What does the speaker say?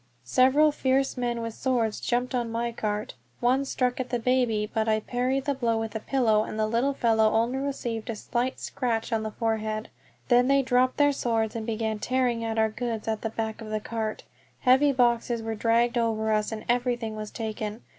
Several fierce men with swords jumped on my cart. One struck at the baby, but I parried the blow with a pillow, and the little fellow only received a slight scratch on the forehead. Then they dropped their swords and began tearing at our goods at the back of the cart. Heavy boxes were dragged over us, and everything was taken.